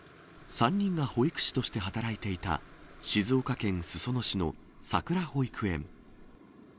３人が保育士として働いていた、静岡県裾野市のさくら保育園。